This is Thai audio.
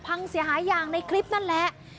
พังเสียหายอย่างในคลิปนั่นแหละ